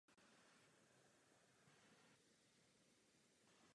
Při krátkém pobytu na ostrově Bougainville Duncan ale bojoval proti Japoncům.